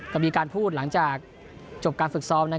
ก็มีการพูดหลังจากจบการฝึกซ้อม